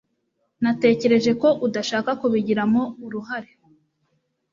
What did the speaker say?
natekereje ko udashaka kubigiramo uruhare